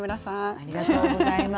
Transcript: ありがとうございます。